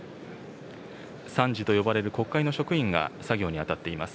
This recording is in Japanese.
参事と呼ばれる国会の職員が作業に当たっています。